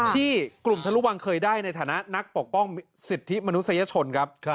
ที่กลุ่มทะลุวังเคยได้ในฐานะนักปกป้องสิทธิมนุษยชนครับ